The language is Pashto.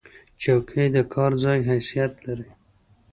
چوکۍ د کار ځای حیثیت لري.